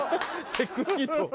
チェックシート。